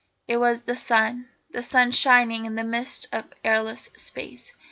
It was the Sun; the Sun shining in the midst of airless Space.